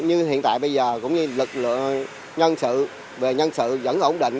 như hiện tại bây giờ cũng như lực lượng nhân sự về nhân sự vẫn ổn định